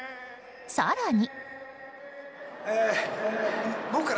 更に。